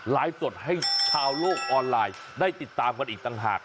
สดให้ชาวโลกออนไลน์ได้ติดตามกันอีกต่างหาก